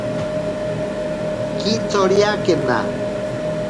Kitsoriakena.